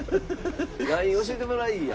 ＬＩＮＥ教えてもらいいや。